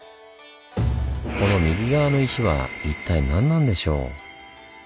この右側の石は一体何なんでしょう？